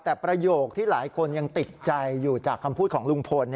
แต่ประโยคที่หลายคนยังติดใจอยู่จากคำพูดของลุงพล